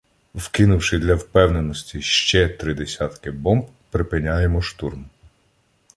Вкинувши для впевненості ще три десятки бомб, припиняємо штурм.